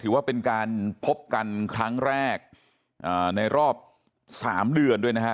ถือว่าเป็นการพบกันครั้งแรกในรอบ๓เดือนด้วยนะฮะ